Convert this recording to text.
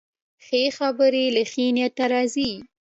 ښه خبرې له ښې نیت راځي